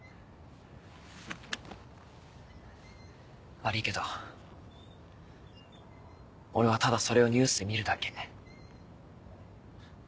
悪いけど俺はただそれをニュースで見るだけ。